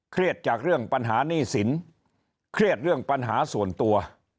จากเรื่องปัญหาหนี้สินเครียดเรื่องปัญหาส่วนตัว